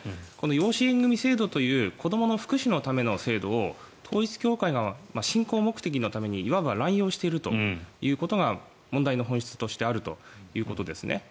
養子縁組制度という子どもの福祉のための制度を統一教会が信仰目的のためにいわば乱用しているということが問題の本質としてあるということですね。